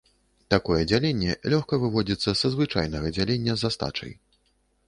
Такое дзяленне лёгка выводзіцца са звычайнага дзялення з астачай.